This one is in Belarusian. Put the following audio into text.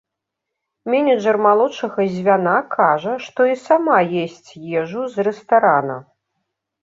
Менеджар малодшага звяна кажа, што і сама есць ежу з рэстарана.